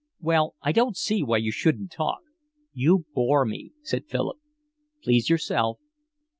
"Well, I don't see why you shouldn't talk." "You bore me," said Philip. "Please yourself."